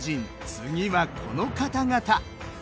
次はこの方々。